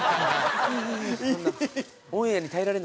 そんな。